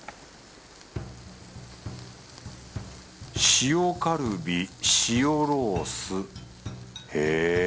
塩カルビ塩ロースへぇ。